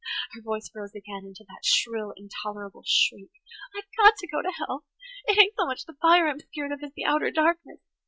Her voice rose again into that shrill, intolerable shriek. "I've got to go to hell. It ain't so much the fire I'm skeered of as the outer darkness.